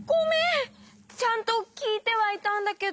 ちゃんときいてはいたんだけど。